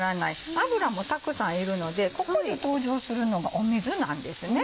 油もたくさんいるのでここに登場するのが水なんですね。